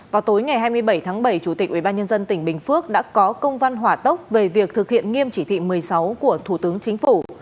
vào tối ngày hai mươi bảy tháng bảy chủ tịch ubnd tỉnh bình phước đã có công văn hỏa tốc về việc thực hiện nghiêm chỉ thị một mươi sáu của thủ tướng chính phủ